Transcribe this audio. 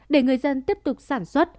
để người dân tiếp tục sản xuất